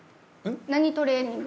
何トレーニング？